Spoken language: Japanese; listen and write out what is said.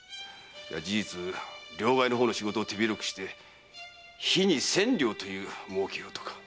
事実両替の仕事を手広くして日に千両という儲けようとか。